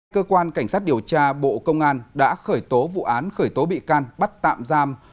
cơ quan cảnh sát điều tra bộ công an đã khởi tố vụ án khởi tố bị can bắt tạm giam